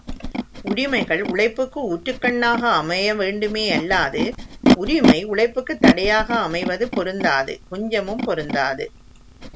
உரிமைகள், உழைப்புக்கு ஊற்றுக்கண்ணாக அமைய வேண்டுமேயல்லாது உரிமை உழைப்புக்குத் தடையாக அமைவது பொருந்தாது கொஞ்சமும் பொருந்தாது.